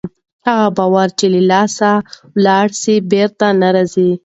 هغه باور چې له لاسه ولاړ سي بېرته نه راځي.